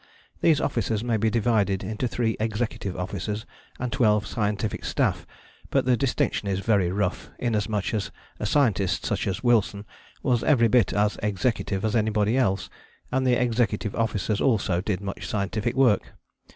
These officers may be divided into three executive officers and twelve scientific staff, but the distinction is very rough, inasmuch as a scientist such as Wilson was every bit as executive as anybody else, and the executive officers also did much scientific work.